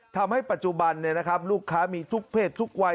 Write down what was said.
ทำให้ปัจจุบันลูกค้ามีทุกเพศทุกวัย